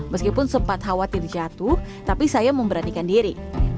meskipun sempat khawatir jatuh tapi saya memberanikan diri